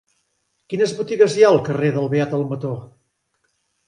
Quines botigues hi ha al carrer del Beat Almató?